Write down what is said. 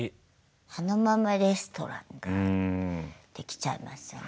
あのままレストランができちゃいますよね。